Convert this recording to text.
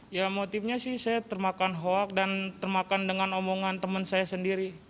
ya motifnya sih saya termakan hoak dan termakan dengan omongan teman saya sendiri